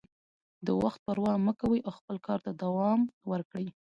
د وخت پروا مه کوئ او خپل کار ته دوام ورکړئ.